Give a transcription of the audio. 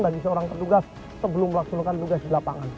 bagi seorang petugas sebelum melaksanakan tugas di lapangan